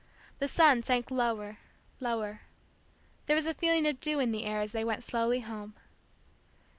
The sun sank lower, lower. There was a feeling of dew in the air as they went slowly home.